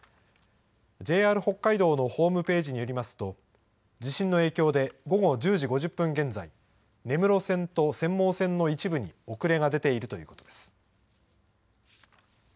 ＪＲ北海道のホームページによりますと、地震の影響で、午後１０時５０分現在、根室線と釧網線の一部に遅れが出ているということです。